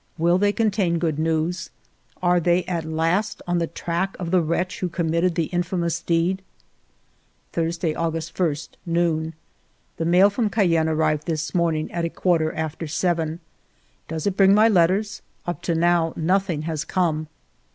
Will they contain good news ? Are they at last on the track of the wretch who committed the infamous deed ? 'Thursday^ August i, noon. The mail from Cayenne arrived this morning at a quarter after seven. Does it bring my letters ? Up to now nothing has come.